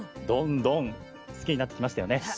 どんどん好きになってきましたよね。